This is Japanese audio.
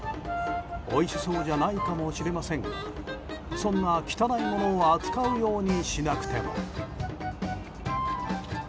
おいしそうじゃないかもしれませんがそんな、汚いものを扱うようにしなくても。